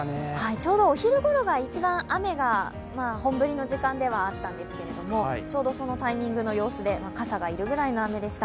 ちょうどお昼頃が一番雨が本降りの時間ではあったんですが、ちょうどそのタイミングの様子で傘が要るくらい雨でした。